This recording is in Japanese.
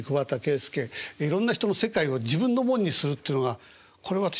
いろんな人の世界を自分のものにするっていうのがこれは私